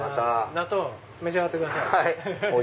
納豆召し上がってください。